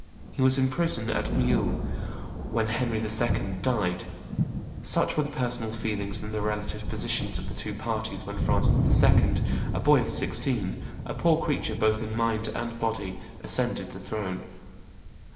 He was in prison at Meaux when Henry II. died. Such were the personal feelings and the relative positions of the two parties when Francis II., a boy of sixteen, a poor creature both in mind and body, ascended the throne.